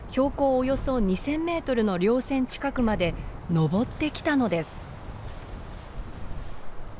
およそ２，０００メートルの稜線近くまでのぼってきたのです。